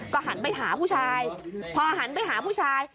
หันไปหาผู้ชายพอหันไปหาผู้ชาย